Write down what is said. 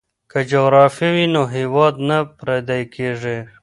که جغرافیه وي نو هیواد نه پردی کیږي.